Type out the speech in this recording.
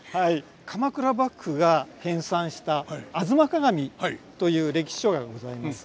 鎌倉幕府が編さんした「吾妻鏡」という歴史書がございます。